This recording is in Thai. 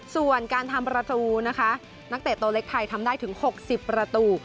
ส่วนการทำประตูนะคะนักเตะโตเล็กไทยทำได้ถึง๖๐ประตู